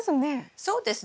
そうですね。